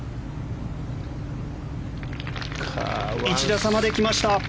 １打差まで来ました。